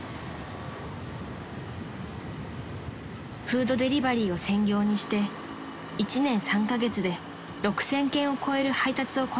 ［フードデリバリーを専業にして１年３カ月で６，０００件を超える配達をこなしてきた］